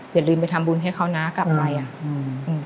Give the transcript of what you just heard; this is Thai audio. อย่าลืมไปทำบุญให้เขานะกลับไปอ่ะอืม